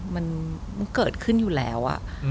มันเกิดขึ้นอยู่แล้ว